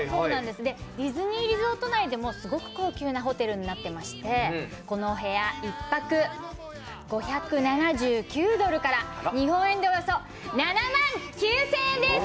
ディズニーリゾート内でもすごく高級なホテルになっていましてこのお部屋、１泊５７９ドルから日本円でおよそ７万９０００円です。